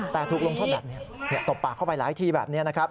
แต่ถูกลงโทษแบบนี้ตบปากเข้าไปหลายทีแบบนี้นะครับ